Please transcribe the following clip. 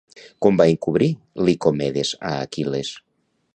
Com va encobrir Licomedes a Aquil·les?